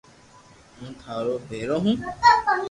ھون ٿارو ڀآرو ھون